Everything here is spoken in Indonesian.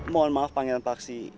mohon maaf pangeran paksi